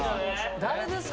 誰ですか？